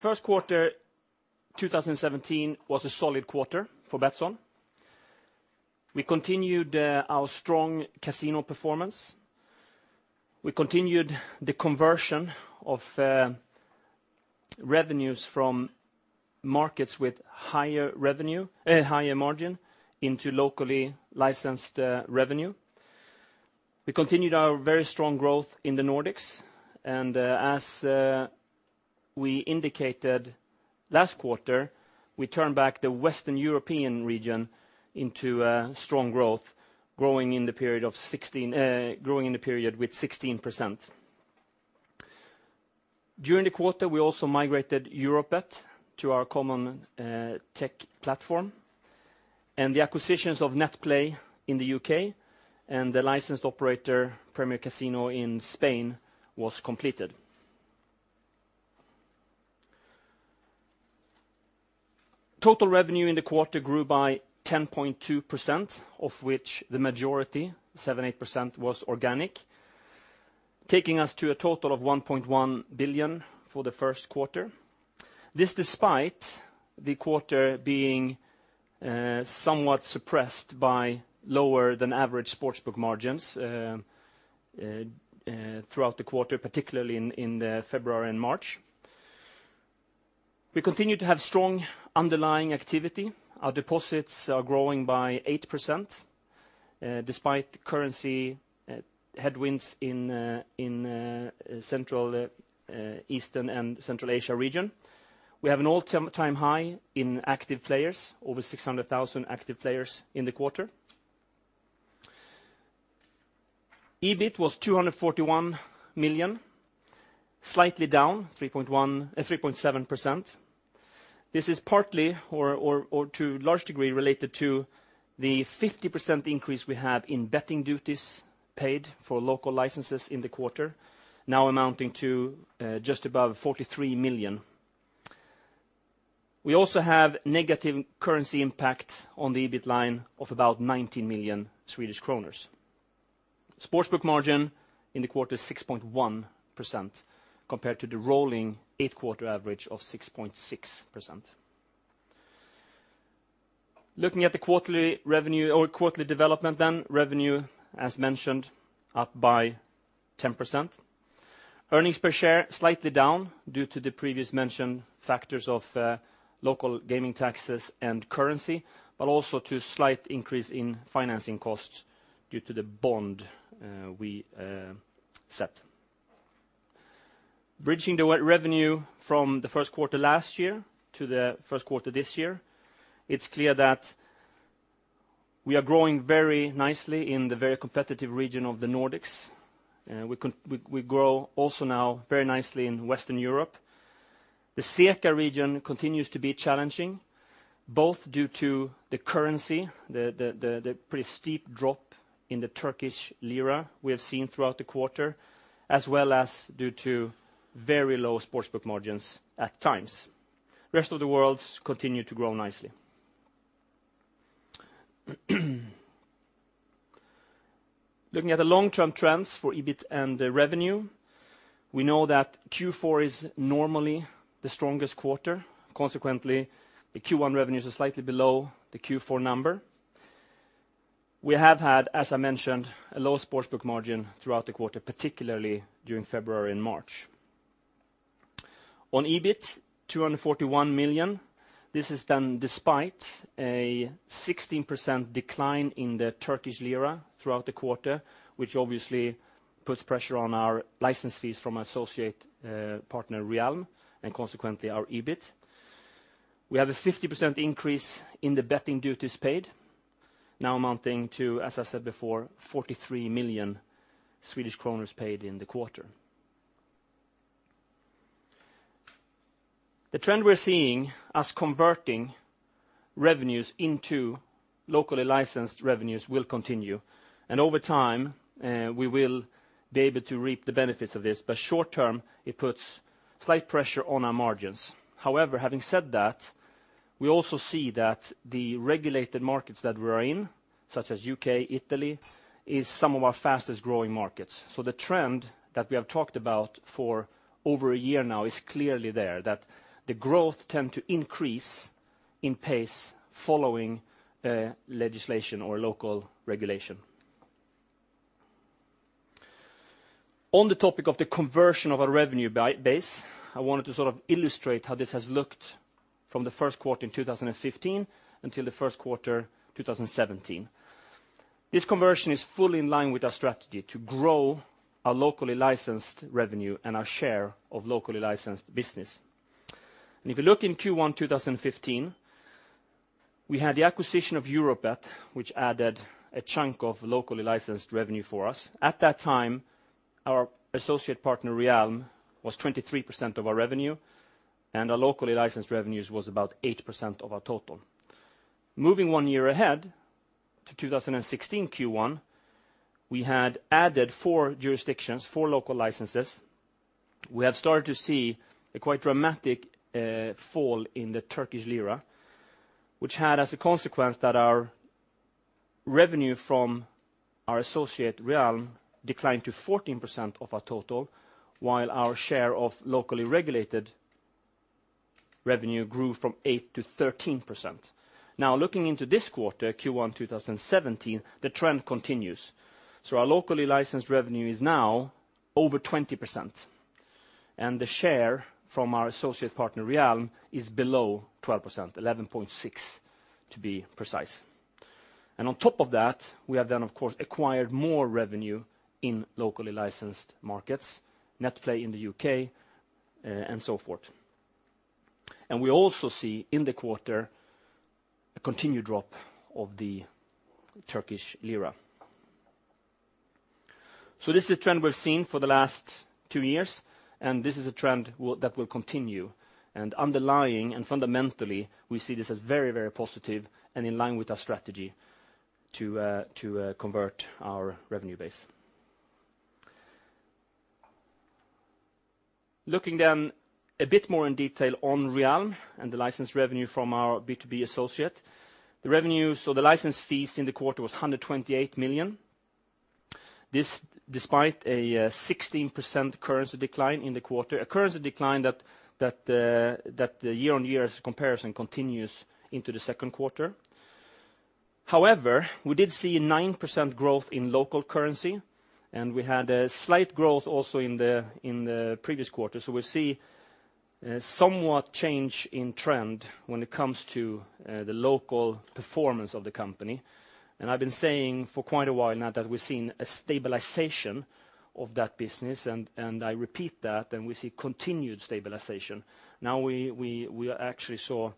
First quarter 2017 was a solid quarter for Betsson. We continued our strong casino performance. We continued the conversion of revenues from markets with higher margin into locally licensed revenue. We continued our very strong growth in the Nordics, as we indicated last quarter, we turned back the Western European region into strong growth, growing in the period with 16%. During the quarter, we also migrated Europe-Bet to our common Techsson platform, and the acquisitions of NetPlay in the U.K. and the licensed operator Premier Casino in Spain was completed. Total revenue in the quarter grew by 10.2%, of which the majority, 78%, was organic, taking us to a total of 1.1 billion for the first quarter. This despite the quarter being somewhat suppressed by lower than average sports book margins throughout the quarter, particularly in February and March. We continue to have strong underlying activity. Our deposits are growing by 8%, despite currency headwinds in Central, Eastern, and Central Asia region. We have an all-time high in active players, over 600,000 active players in the quarter. EBIT was 241 million, slightly down 3.7%. This is partly or to a large degree related to the 50% increase we have in betting duties paid for local licenses in the quarter, now amounting to just above 43 million. We also have negative currency impact on the EBIT line of about 19 million Swedish kronor. Sports book margin in the quarter 6.1%, compared to the rolling eight-quarter average of 6.6%. Looking at the quarterly revenue or quarterly development, revenue, as mentioned, up by 10%. Earnings per share slightly down due to the previous mentioned factors of local gaming taxes and currency, but also to slight increase in financing costs due to the bond we set. Bridging the revenue from the first quarter last year to the first quarter this year, it's clear that we are growing very nicely in the very competitive region of the Nordics. We grow also now very nicely in Western Europe. The CECA region continues to be challenging, both due to the currency, the pretty steep drop in the Turkish lira we have seen throughout the quarter, as well as due to very low sports book margins at times. Rest of the world continue to grow nicely. Looking at the long-term trends for EBIT and the revenue, we know that Q4 is normally the strongest quarter. Consequently, the Q1 revenues are slightly below the Q4 number. We have had, as I mentioned, a low sports book margin throughout the quarter, particularly during February and March. On EBIT, 241 million. This is done despite a 16% decline in the Turkish lira throughout the quarter, which obviously puts pressure on our license fees from our associate partner, Realm Entertainment, and consequently our EBIT. We have a 50% increase in the betting duties paid, now amounting to, as I said before, 43 million Swedish kronor paid in the quarter. The trend we're seeing as converting revenues into locally licensed revenues will continue, and over time, we will be able to reap the benefits of this. Short-term, it puts slight pressure on our margins. However, having said that, we also see that the regulated markets that we're in, such as U.K., Italy, is some of our fastest-growing markets. The trend that we have talked about for over a year now is clearly there, that the growth tend to increase in pace following legislation or local regulation. On the topic of the conversion of our revenue base, I wanted to sort of illustrate how this has looked from the first quarter in 2015 until the first quarter 2017. This conversion is fully in line with our strategy to grow our locally licensed revenue and our share of locally licensed business. If you look in Q1 2015, we had the acquisition of Europe-Bet, which added a chunk of locally licensed revenue for us. At that time, our associate partner, Realm, was 23% of our revenue, and our locally licensed revenues was about 8% of our total. Moving one year ahead to 2016 Q1, we had added four jurisdictions, four local licenses. We have started to see a quite dramatic fall in the Turkish lira, which had as a consequence that our Revenue from our associate Realm declined to 14% of our total, while our share of locally regulated revenue grew from 8% to 13%. Looking into this quarter, Q1 2017, the trend continues. Our locally licensed revenue is now over 20%, and the share from our associate partner Realm is below 12%, 11.6% to be precise. On top of that, we have then, of course, acquired more revenue in locally licensed markets, NetPlay in the U.K. and so forth. We also see in the quarter a continued drop of the Turkish lira. This is a trend we've seen for the last two years, and this is a trend that will continue. Underlying and fundamentally, we see this as very positive and in line with our strategy to convert our revenue base. Looking then a bit more in detail on Realm and the licensed revenue from our B2B associate. The revenue, the license fees in the quarter was 128 million. This despite a 16% currency decline in the quarter, a currency decline that the year-on-year comparison continues into the second quarter. However, we did see 9% growth in local currency, and we had a slight growth also in the previous quarter. We see somewhat change in trend when it comes to the local performance of the company. I've been saying for quite a while now that we've seen a stabilization of that business, and I repeat that, and we see continued stabilization. We actually saw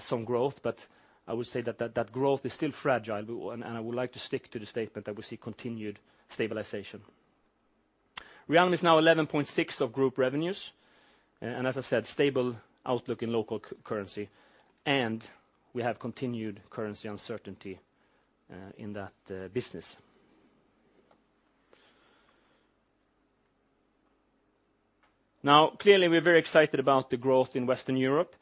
some growth, but I would say that growth is still fragile, and I would like to stick to the statement that we see continued stabilization. Realm is now 11.6% of group revenues, and as I said, stable outlook in local currency, and we have continued currency uncertainty in that business. Clearly, we're very excited about the growth in Western Europe.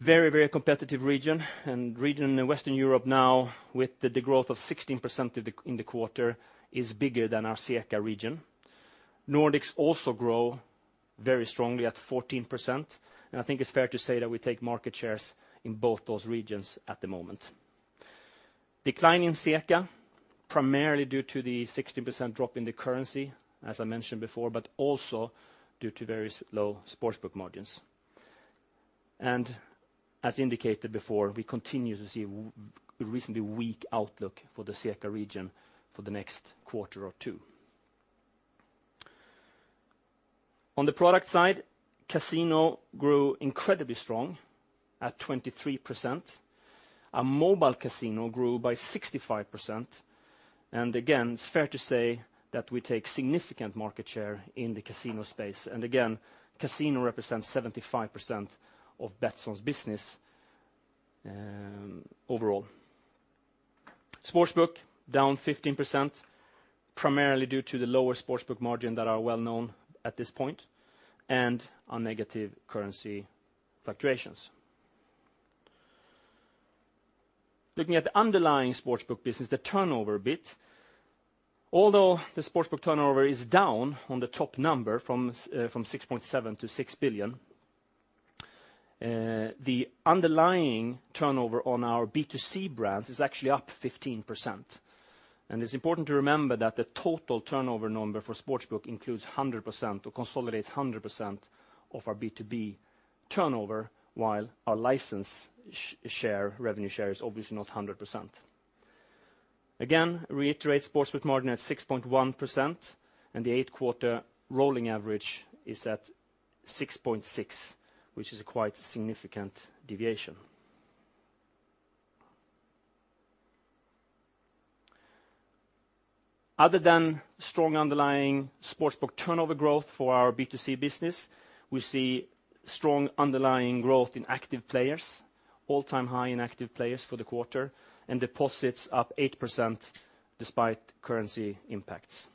Very competitive region, and region in Western Europe now with the growth of 16% in the quarter is bigger than our CECA region. Nordics also grow very strongly at 14%, and I think it's fair to say that we take market shares in both those regions at the moment. Decline in CECA, primarily due to the 16% drop in the currency, as I mentioned before, but also due to various low sportsbook margins. As indicated before, we continue to see recently weak outlook for the CECA region for the next quarter or 2. On the product side, casino grew incredibly strong at 23%. Our mobile casino grew by 65%. Again, it is fair to say that we take significant market share in the casino space. Again, casino represents 75% of Betsson's business overall. Sportsbook down 15%, primarily due to the lower sportsbook margin that are well-known at this point and our negative currency fluctuations. Looking at the underlying sportsbook business, the turnover bit. Although the sportsbook turnover is down on the top number from 6.7 billion to 6 billion, the underlying turnover on our B2C brands is actually up 15%. It is important to remember that the total turnover number for sportsbook includes 100% or consolidates 100% of our B2B turnover while our license revenue share is obviously not 100%. Reiterate sportsbook margin at 6.1%, and the eight-quarter rolling average is at 6.6%, which is a quite significant deviation. Other than strong underlying sportsbook turnover growth for our B2C business, we see strong underlying growth in active players, all-time high in active players for the quarter, and deposits up 8% despite currency impacts.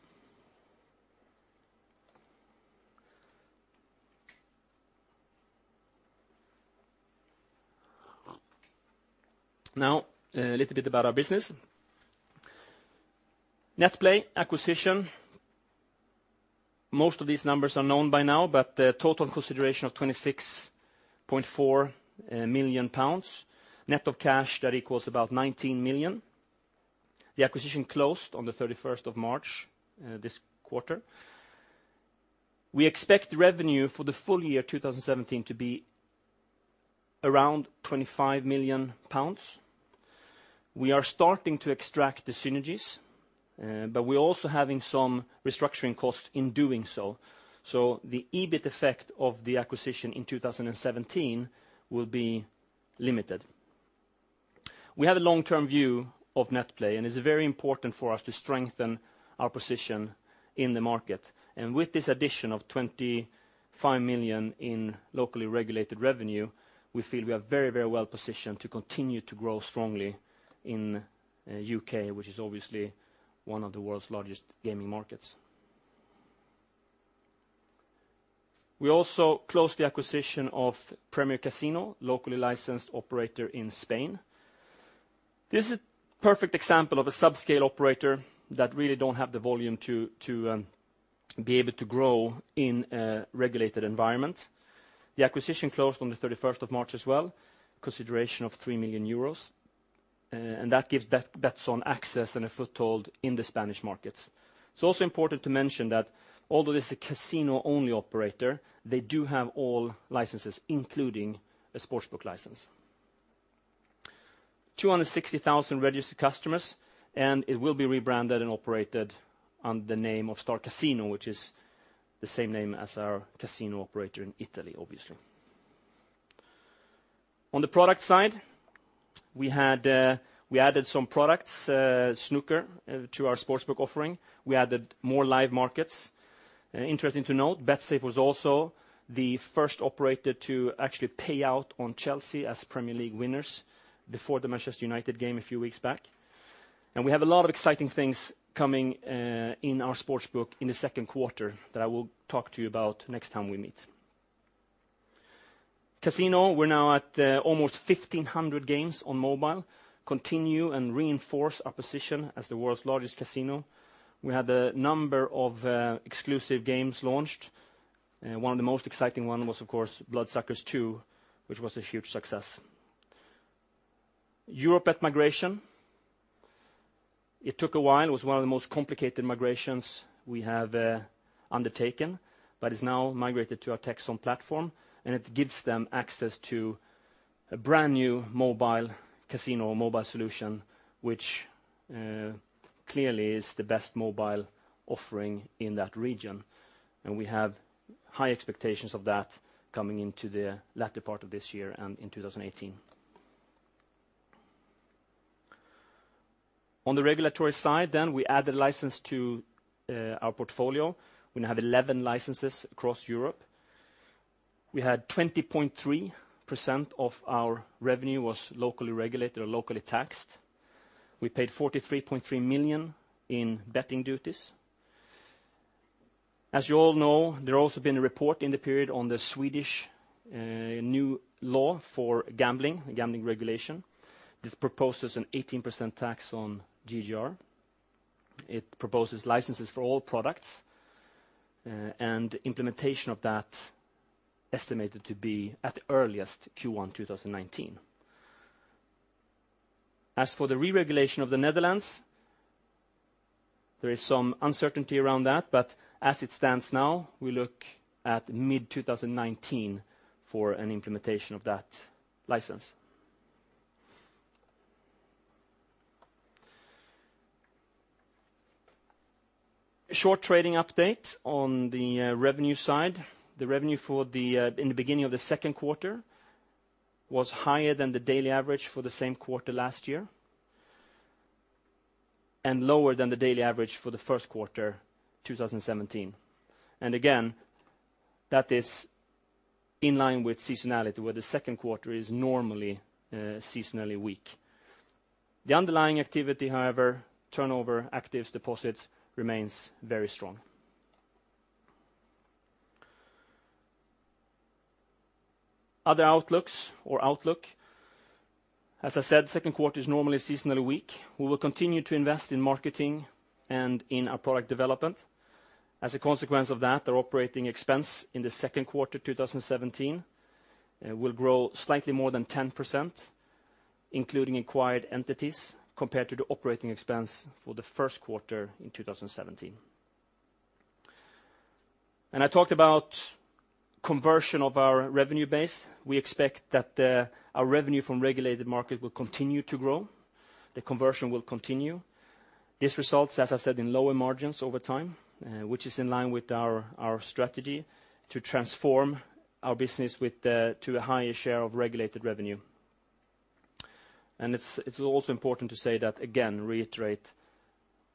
A little bit about our business. NetPlay acquisition. Most of these numbers are known by now, but the total consideration of 26.4 million pounds, net of cash, that equals about 19 million. The acquisition closed on the 31st of March this quarter. We expect revenue for the full year 2017 to be around 25 million pounds. We are starting to extract the synergies, but we are also having some restructuring costs in doing so. The EBIT effect of the acquisition in 2017 will be limited. A long-term view of NetPlay, and it is very important for us to strengthen our position in the market. With this addition of 25 million in locally regulated revenue, we feel we are very well positioned to continue to grow strongly in the U.K., which is obviously one of the world's largest gaming markets. Also closed the acquisition of Premier Casino, locally licensed operator in Spain. This is a perfect example of a sub-scale operator that really do not have the volume to be able to grow in a regulated environment. The acquisition closed on the 31st of March as well, consideration of 3 million euros. That gives Betsson access and a foothold in the Spanish markets. It is also important to mention that although this is a casino-only operator, they do have all licenses, including a sportsbook license. 260,000 registered customers. It will be rebranded and operated under the name of StarCasino, which is the same name as our casino operator in Italy, obviously. On the product side, we added some products, snooker, to our sportsbook offering. Added more live markets. Interesting to note, Betsafe was also the first operator to actually pay out on Chelsea as Premier League winners before the Manchester United game a few weeks back. We have a lot of exciting things coming in our sportsbook in the second quarter that I will talk to you about next time we meet. Casino, we are now at almost 1,500 games on mobile, continue and reinforce our position as the world's largest casino. A number of exclusive games launched. One of the most exciting one was, of course, Blood Suckers 2, which was a huge success. Europe-Bet migration. It took a while. It was one of the most complicated migrations we have undertaken, but it's now migrated to our Techsson platform, and it gives them access to a brand-new mobile casino, mobile solution, which clearly is the best mobile offering in that region. We have high expectations of that coming into the latter part of this year and in 2018. On the regulatory side, then, we added license to our portfolio. We now have 11 licenses across Europe. We had 20.3% of our revenue was locally regulated or locally taxed. We paid 43.3 million in betting duties. As you all know, there has also been a report in the period on the Swedish new law for gambling regulation. This proposes an 18% tax on GGR. It proposes licenses for all products, and implementation of that estimated to be at the earliest Q1 2019. As for the re-regulation of the Netherlands, there is some uncertainty around that, but as it stands now, we look at mid-2019 for an implementation of that license. Short trading update on the revenue side. The revenue in the beginning of the second quarter was higher than the daily average for the same quarter last year and lower than the daily average for the first quarter 2017. Again, that is in line with seasonality, where the second quarter is normally seasonally weak. The underlying activity, however, turnover, actives, deposits, remains very strong. Other outlooks or outlook. As I said, second quarter is normally seasonally weak. We will continue to invest in marketing and in our product development. As a consequence of that, our operating expense in the second quarter 2017 will grow slightly more than 10%, including acquired entities, compared to the operating expense for the first quarter in 2017. I talked about conversion of our revenue base. We expect that our revenue from regulated market will continue to grow. The conversion will continue. This results, as I said, in lower margins over time, which is in line with our strategy to transform our business to a higher share of regulated revenue. It's also important to say that, again, reiterate,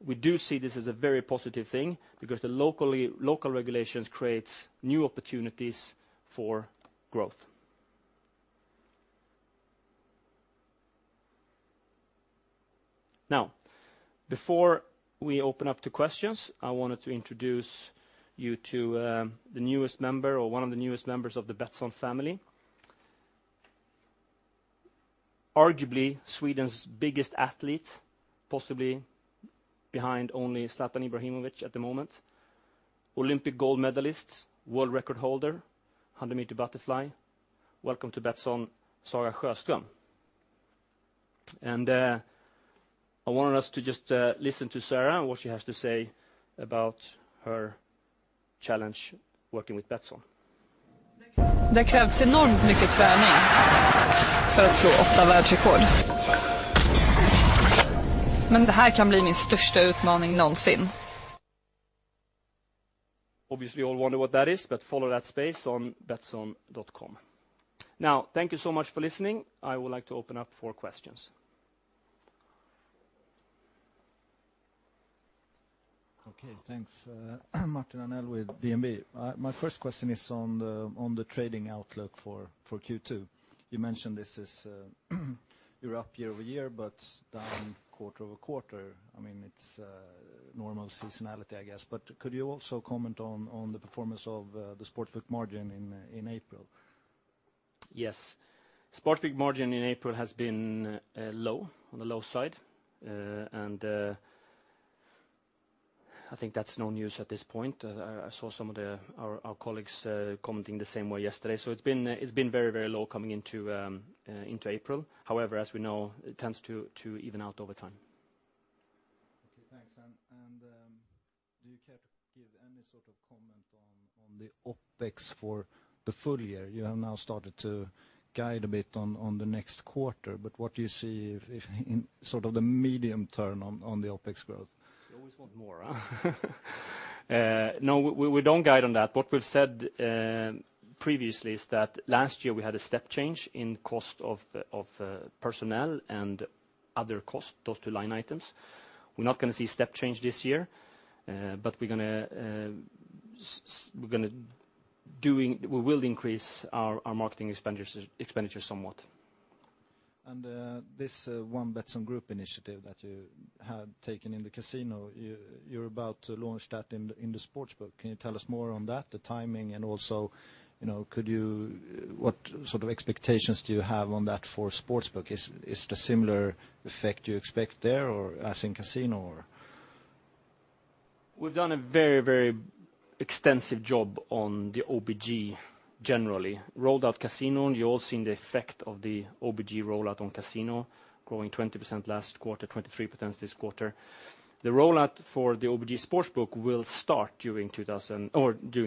we do see this as a very positive thing because the local regulations creates new opportunities for growth. Before we open up to questions, I wanted to introduce you to the newest member or one of the newest members of the Betsson family. Arguably, Sweden's biggest athlete, possibly behind only Zlatan Ibrahimović at the moment, Olympic gold medalist, world record holder, 100- butterfly. Welcome to Betsson, Sarah Sjöström. I wanted us to just listen to Sarah and what she has to say about her challenge working with Betsson. It takes enormous amounts of training to break eight world records. This might be my biggest challenge yet. Obviously, you all wonder what that is, but follow that space on betsson.com. Thank you so much for listening. I would like to open up for questions. Okay, thanks. Martin Arnell with DNB. My first question is on the trading outlook for Q2. You mentioned you're up year-over-year, but down quarter-over-quarter. It's normal seasonality, I guess. Could you also comment on the performance of the sportsbook margin in April? Yes. Sportsbook margin in April has been on the low side, and I think that's no news at this point. I saw some of our colleagues commenting the same way yesterday. It's been very low coming into April. However, as we know, it tends to even out over time. Okay, thanks. Do you care to give any sort of comment on the OpEx for the full year? You have now started to guide a bit on the next quarter, what do you see in sort of the medium term on the OpEx growth? You always want more, huh? No, we don't guide on that. What we've said previously is that last year we had a step change in cost of personnel and other costs, those two line items. We're not going to see a step change this year, we will increase our marketing expenditures somewhat. This one Betsson group initiative that you have taken in the casino, you're about to launch that in the sportsbook. Can you tell us more on that, the timing and also, what sort of expectations do you have on that for sportsbook? Is the similar effect you expect there as in casino? We've done a very extensive job on the OBG, generally. Rolled out casino, you all seen the effect of the OBG rollout on casino, growing 20% last quarter, 23% this quarter. The rollout for the OBG sportsbook will start during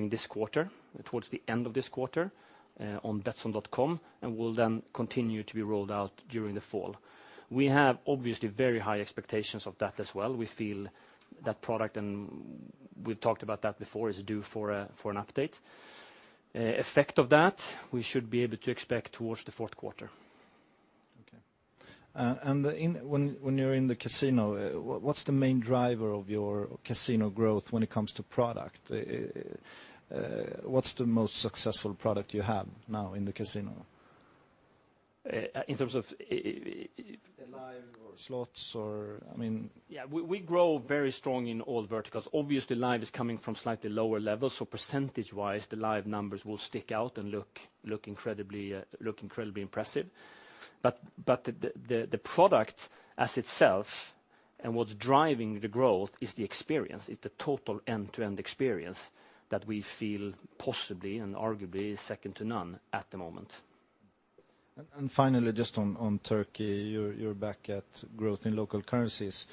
this quarter, towards the end of this quarter, on betsson.com will continue to be rolled out during the fall. We have obviously very high expectations of that as well. We feel that product, and we've talked about that before, is due for an update. Effect of that, we should be able to expect towards the fourth quarter. Okay. When you're in the casino, what's the main driver of your casino growth when it comes to product? What's the most successful product you have now in the casino? In terms of- Live or slots or, I mean- Yeah. We grow very strong in all verticals. Obviously, live is coming from slightly lower levels, percentage-wise, the live numbers will stick out and look incredibly impressive. The product as itself and what's driving the growth is the experience. It's the total end-to-end experience that we feel possibly and arguably is second to none at the moment. Finally, just on Turkey, you're back at growth in local currencies.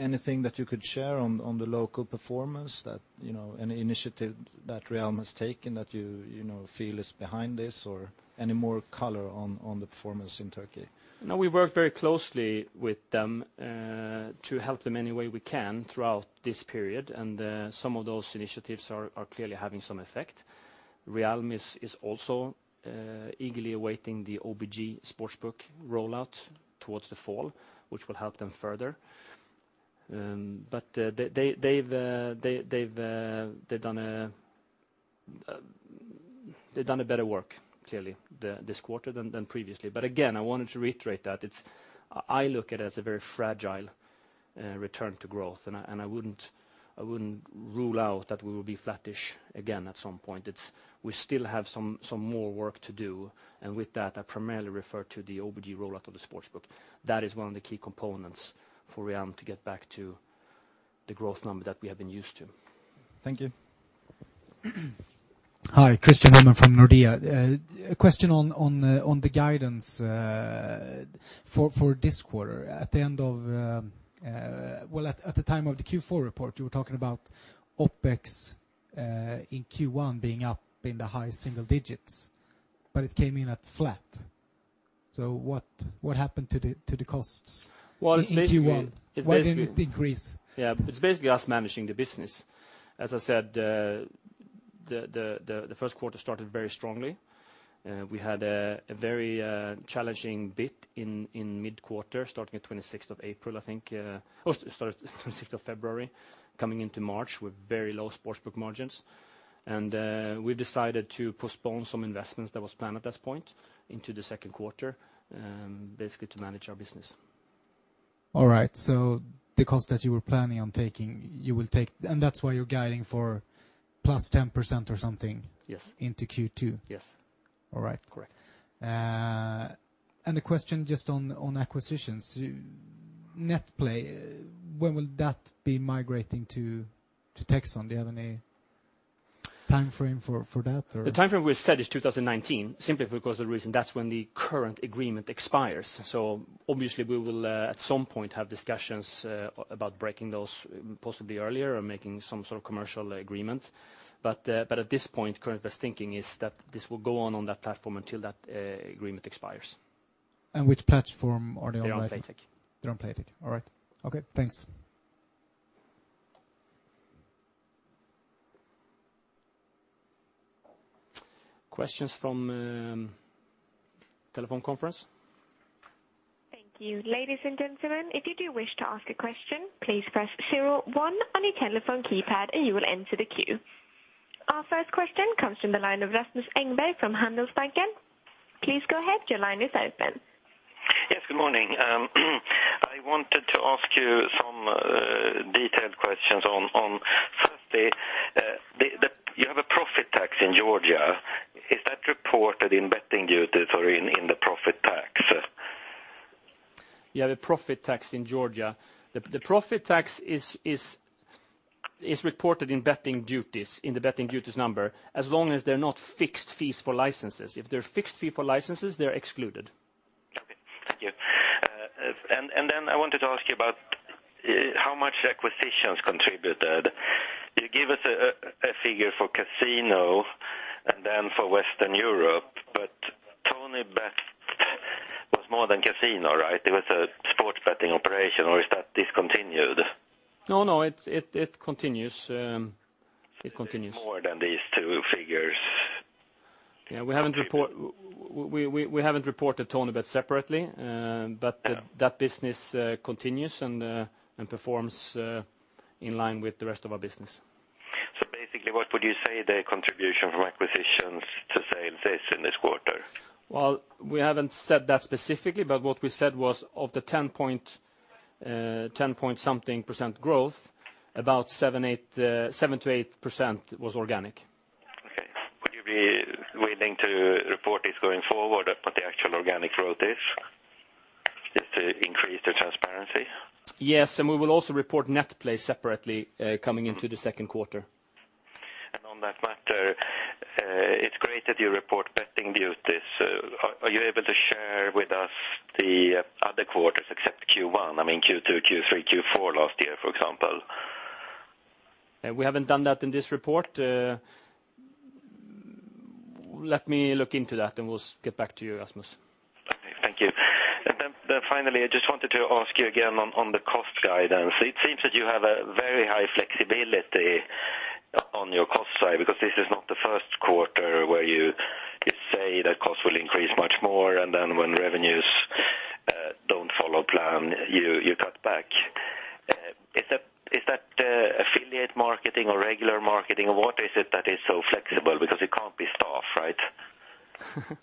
Anything that you could share on the local performance that, any initiative that Realm has taken that you feel is behind this or any more color on the performance in Turkey? No, we work very closely with them, to help them any way we can throughout this period, some of those initiatives are clearly having some effect. Realm is also eagerly awaiting the OBG sportsbook rollout towards the fall, which will help them further. They've done a better work, clearly, this quarter than previously. Again, I wanted to reiterate that I look at it as a very fragile return to growth, I wouldn't rule out that we will be flattish again at some point. We still have some more work to do, with that, I primarily refer to the OBG rollout of the sportsbook. That is one of the key components for Realm to get back to the growth number that we have been used to. Thank you. Hi, Christian Hellman from Nordea. A question on the guidance for this quarter. At the time of the Q4 report, you were talking about OpEx in Q1 being up in the high single digits, it came in at flat. What happened to the costs. Well, it's basically. In Q1? Why didn't it decrease? Yeah. It's basically us managing the business. As I said, the first quarter started very strongly. We had a very challenging bit in mid-quarter, starting 26th of February, coming into March with very low sportsbook margins. We decided to postpone some investments that was planned at this point into the second quarter, basically to manage our business. All right. The cost that you were planning on taking, you will take, and that's why you're guiding for plus 10%. Yes into Q2? Yes. All right. Correct. A question just on acquisitions. NetPlay, when will that be migrating to Techsson? Do you have any timeframe for that, or? The timeframe we said is 2019, simply because of the reason that's when the current agreement expires. Obviously we will at some point have discussions about breaking those possibly earlier or making some sort of commercial agreement. At this point, current best thinking is that this will go on that platform until that agreement expires. Which platform are they on right now? They're on Playtech. They're on Playtech. All right. Okay, thanks. Questions from telephone conference? Thank you. Ladies and gentlemen, if you do wish to ask a question, please press zero on on your telephone keypad and you will enter the queue. Our first question comes from the line of Rasmus Engberg from Handelsbanken. Please go ahead, your line is open. Yes, good morning. I wanted to ask you some detailed questions on, firstly, you have a profit tax in Georgia. Is that reported in betting duties or in the profit tax? You have a profit tax in Georgia. The profit tax is reported in the betting duties number, as long as they're not fixed fees for licenses. If they're fixed fee for licenses, they're excluded. Okay. Thank you. Then I wanted to ask you about how much acquisitions contributed. You gave us a figure for casino and then for Western Europe, TonyBet was more than casino, right? It was a sports betting operation, or is that discontinued? No, it continues. More than these two figures. Yeah. We haven't reported TonyBet separately. That business continues and performs in line with the rest of our business. Basically, what would you say the contribution from acquisitions to sales is in this quarter? Well, we haven't said that specifically, but what we said was of the 10 point something-percent growth, about 7%-8% was organic. Okay. Would you be willing to report this going forward, what the actual organic growth is? Just to increase the transparency. Yes, we will also report NetPlay separately, coming into the second quarter. On that matter, it's great that you report betting duties. Are you able to share with us the other quarters except Q1? I mean Q2, Q3, Q4 last year, for example. We haven't done that in this report. Let me look into that and we'll get back to you, Rasmus. Okay. Thank you. Finally, I just wanted to ask you again on the cost guidance. It seems that you have a very high flexibility on your cost side, because this is not the first quarter where you say that costs will increase much more, then when revenues don't follow plan, you cut back. Is that affiliate marketing or regular marketing? What is it that is so flexible? Because it can't be staff, right?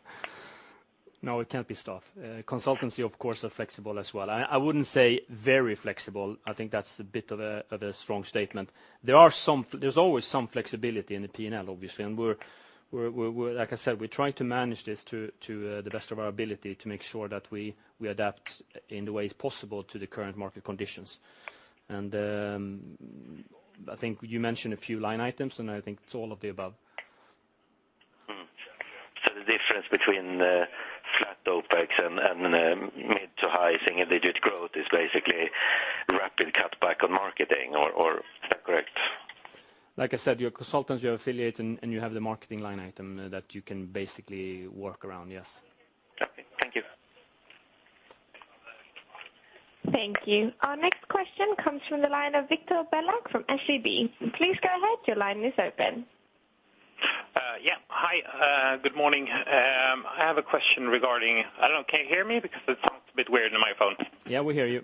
No, it can't be staff. Consultancy, of course, are flexible as well. I wouldn't say very flexible. I think that's a bit of a strong statement. There's always some flexibility in the P&L, obviously. Like I said, we try to manage this to the best of our ability to make sure that we adapt in the way it's possible to the current market conditions. I think you mentioned a few line items, and I think it's all of the above. The difference between flat OpEx and mid to high single-digit growth is basically rapid cutback on marketing, or is that correct? Like I said, your consultants, your affiliates, and you have the marketing line item that you can basically work around, yes. Copy. Thank you. Thank you. Our next question comes from the line of Viktor Bellak from SEB. Please go ahead, your line is open. Yeah. Hi, good morning. I have a question. I don't know, can you hear me? It sounds a bit weird on my phone. Yeah, we hear you.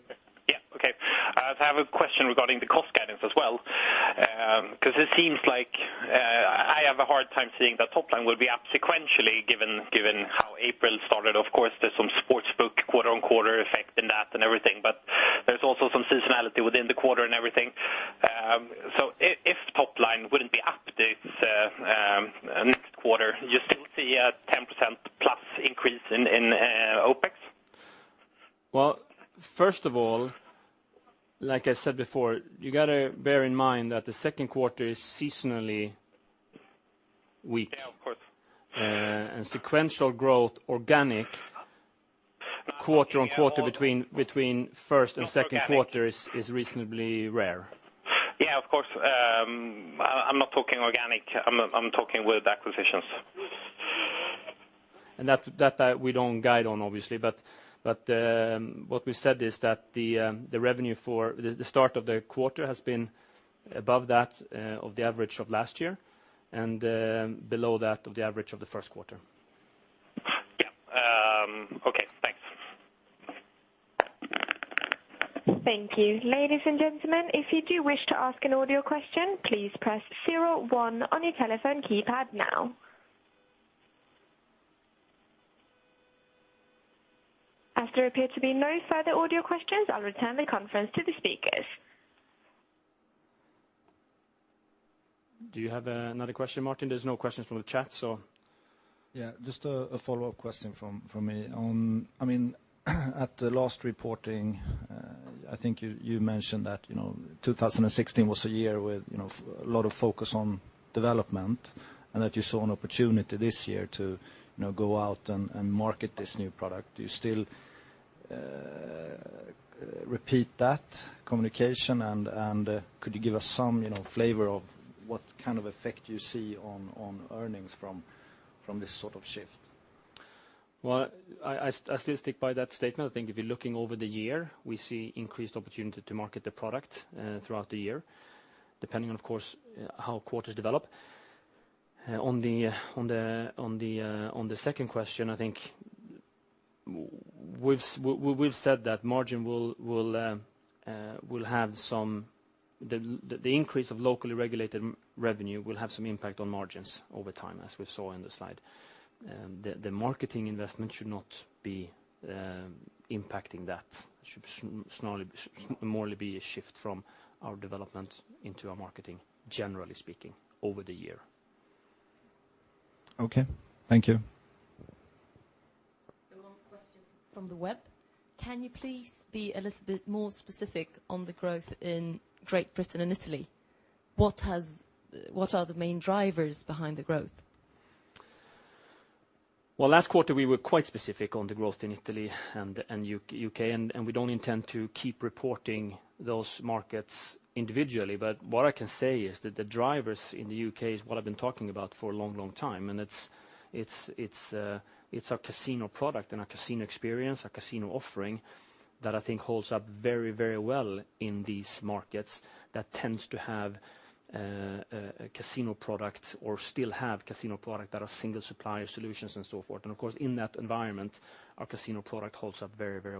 It seems like I have a hard time seeing that top line will be up sequentially, given how April started. Of course, there's some sports book quarter-on-quarter effect in that and everything, but there's also some seasonality within the quarter and everything. If top line wouldn't be up this next quarter, you still see a 10%+ increase in OpEx? First of all, like I said before, you got to bear in mind that the second quarter is seasonally weak. Yeah, of course. Sequential growth, organic, quarter-on-quarter between first and second quarter is reasonably rare. Yeah, of course. I'm not talking organic. I'm talking with acquisitions. That we don't guide on, obviously. What we've said is that the revenue for the start of the quarter has been above that of the average of last year and below that of the average of the first quarter. Yeah. Okay, thanks. Thank you. Ladies and gentlemen, if you do wish to ask an audio question, please press zero one on your telephone keypad now. As there appear to be no further audio questions, I will return the conference to the speakers. Do you have another question, Martin? There is no questions from the chat. Yeah, just a follow-up question from me. At the last reporting, I think you mentioned that 2016 was a year with a lot of focus on development and that you saw an opportunity this year to go out and market this new product. Do you still repeat that communication, and could you give us some flavor of what kind of effect you see on earnings from this sort of shift? Well, I still stick by that statement. I think if you are looking over the year, we see increased opportunity to market the product throughout the year, depending on, of course, how quarters develop. On the second question, I think we have said that the increase of locally regulated revenue will have some impact on margins over time, as we saw in the slide. The marketing investment should not be impacting that. Should more be a shift from our development into our marketing, generally speaking, over the year. Okay. Thank you. One question from the web. Can you please be a little bit more specific on the growth in the U.K. and Italy? What are the main drivers behind the growth? Well, last quarter we were quite specific on the growth in Italy and the U.K. We don't intend to keep reporting those markets individually. What I can say is that the drivers in the U.K. is what I've been talking about for a long time, and it's our casino product and our casino experience, our casino offering that I think holds up very well in these markets that tends to have a casino product or still have casino product that are single supplier solutions and so forth. Of course, in that environment, our casino product holds up very well.